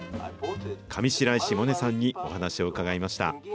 上白石萌音さんにお話を伺いました。